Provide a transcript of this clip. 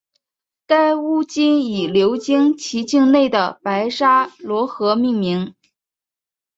该巫金以流经其境内的白沙罗河命名。